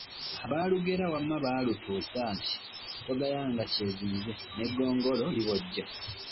Abaalugera wamma baalutuusa, nti togayanga kyezinze, n'eggongolo libojja.